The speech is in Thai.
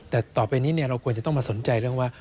แต่ต่อไปนี้เราควรจะต้องมาสนใจเรื่องว่า